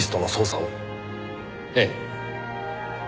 ええ。